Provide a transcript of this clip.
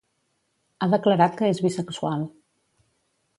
Ha declarat que és bisexual.